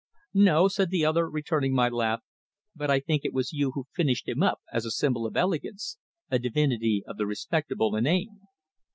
"No," said the other, returning my laugh, "but I think it was you who finished him up as a symbol of elegance, a divinity of the respectable inane."